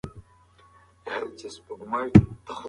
پښتو ژبه د تاریخ برخه ده.